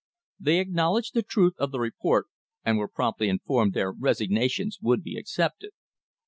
They acknowledged the truth of the report and were promptly informed their resignations would be accepted.